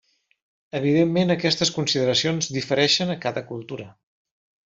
Evidentment aquestes consideracions difereixen a cada cultura.